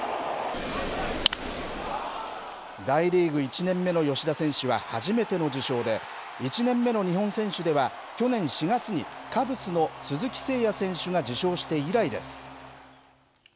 大リーグ１年目の吉田選手は初めての受賞で、１年目の日本選手では、去年４月にカブスの鈴木誠也選手が受賞して以来です。